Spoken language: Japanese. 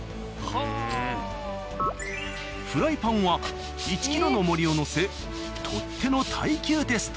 フライパンは１ｋｇのおもりをのせ取っ手の耐久テスト。